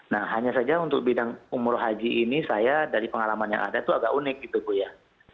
nah hanya saja untuk bidang umur haji ini saya dari pengalaman yang ada itu agak unik gitu bu ya